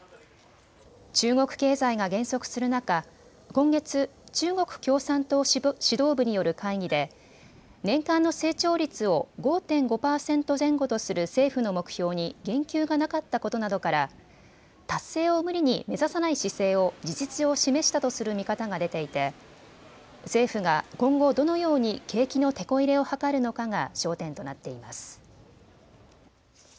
中国経済が減速する中、今月、中国共産党指導部による会議で年間の成長率を５．５％前後とする政府の目標に言及がなかったことなどから達成を無理に目指さない姿勢を事実上、示したとする見方が出ていて政府が今後、どのように景気のてこ入れを図るのかが焦点となっています。